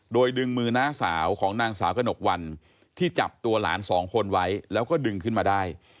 โดยดึงมือน้าสาวของนางสาวกระหนกวันที่จับตัวหลานสองคนไว้แล้วก็ดึงขึ้นมาได้